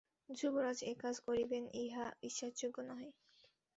যুবরাজ এ-কাজ করিবেন ইহা বিশ্বাসযোগ্য নহে।